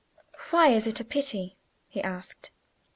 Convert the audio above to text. "Why is it a pity?" he asked.